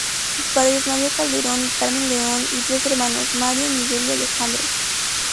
Sus padres Mario Calderón y Carmen León; y tres hermanos: Mario, Miguel y Alejandro.